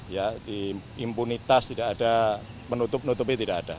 ya impunitas tidak ada menutup menutupi tidak ada